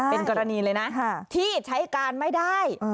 เป็นกรณีเลยนะที่ใช้การไม่ได้